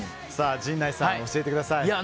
陣内さん、教えてください。